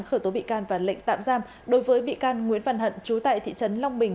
khởi tố bị can và lệnh tạm giam đối với bị can nguyễn văn hận trú tại thị trấn long bình